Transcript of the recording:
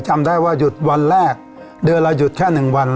จำได้ว่าหยุดวันแรกเดือนละหยุดแค่๑วัน